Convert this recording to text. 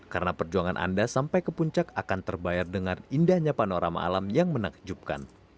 karena perjuangan anda sampai ke puncak akan terbayar dengan indahnya panorama alam yang menakjubkan